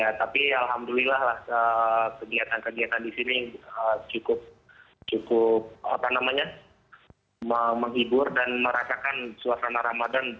ya tapi alhamdulillah kegiatan kegiatan di sini cukup cukup apa namanya menghibur dan merasakan suasana ramadan